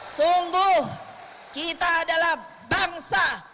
sungguh kita adalah bangsa